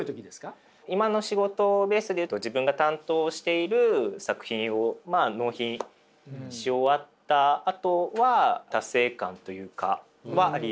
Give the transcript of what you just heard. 今の仕事ベースで言うと自分が担当している作品を納品し終わったあとは達成感というかはありますね。